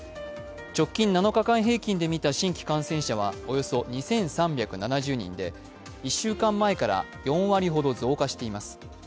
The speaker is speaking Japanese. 直近７日間平均でみた新規感染者はおよそ２３７０人で１週間前から４割ほど増加しています。